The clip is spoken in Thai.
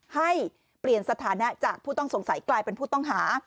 ให้เปลี่ยนสถานะจากผู้ต้องสงสัยกลายเป็นผู้ต้องหา